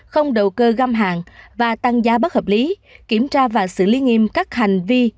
không đầu cơ găm hàng và tăng giá bất hợp lý kiểm tra và xử lý nghiêm các hành vi